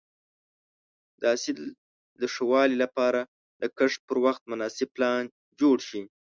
د حاصل د ښه والي لپاره د کښت پر وخت مناسب پلان جوړ شي.